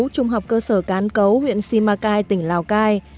trung học cơ sở cán cấu huyện simacai tỉnh lào cai